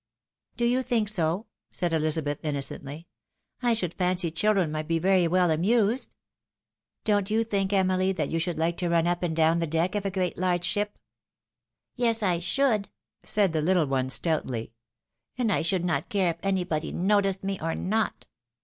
" Do you think so? " said Elizabeth, innocently. "I should fancy children might be very well amused. Don't you think, Emily, that you should hke to run up and down the deck of a great, large ship ?"" Yes, I should," said the little one, stoutly ;" and I should not care if anybody noticed me or not."